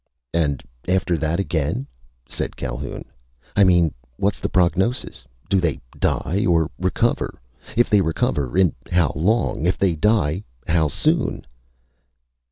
"And after that again?" said Calhoun. "I mean, what's the prognosis? Do they die or recover? If they recover, in how long? If they die, how soon?"